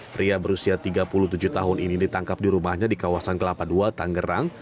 pria berusia tiga puluh tujuh tahun ini ditangkap di rumahnya di kawasan kelapa ii tanggerang